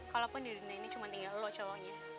kalaupun di dunia ini cuma tinggal lo cowoknya